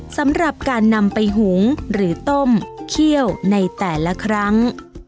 สำหรับการนำไปหุงหรือต้มเคี่ยวในแต่ละครั้ง